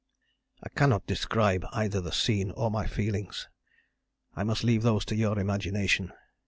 "I cannot describe either the scene or my feelings. I must leave those to your imagination.